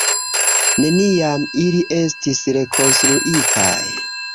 Neniam ili estis rekonstruitaj.